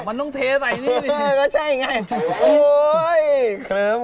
มันต้องเพย์ใส่นี่นะ